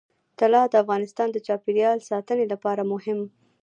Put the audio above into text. طلا د افغانستان د چاپیریال ساتنې لپاره مهم دي.